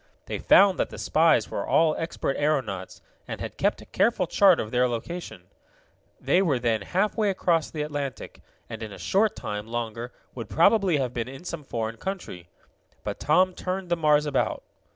They found that the spies were all expert aeronauts, and had kept a careful chart of their location. They were then halfway across the Atlantic, and in a short time longer would probably have been in some foreign country. But Tom turned the Mars about.